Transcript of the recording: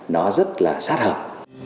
nó rất là sát hợp